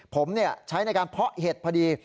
ผมใช้ในการเพาะเห็ดพอดี